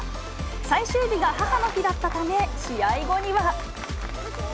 最終日が母の日だったため、試合後には。